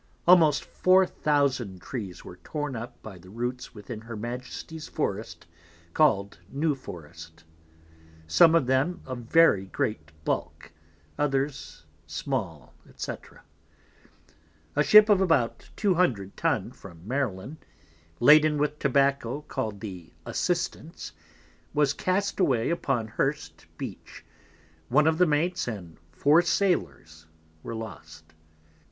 Almost 4000 Trees were torn up by the roots within her Majesty's Forrest call'd New Forrest, some of them of very great bulk, others small, &c. A Ship of about 200 Tun, from Maryland, laden with Tobacco, call'd the Assistance, was Cast away upon Hurst Beach, one of the Mates, and 4 Sailors, were lost.